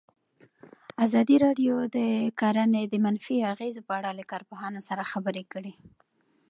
ازادي راډیو د کرهنه د منفي اغېزو په اړه له کارپوهانو سره خبرې کړي.